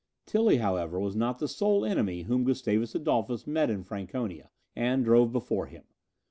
Tilly, however, was not the sole enemy whom Gustavus Adolphus met in Franconia, and drove before him.